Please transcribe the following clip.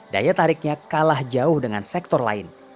daya tariknya kalah jauh dengan sektor lain